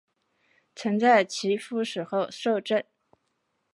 曾在其夫死后摄政。